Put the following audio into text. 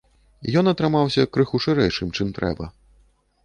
Ён атрымаўся крыху шырэйшым, чым трэба.